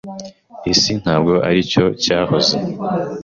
Isi ntabwo aricyo cyahoze.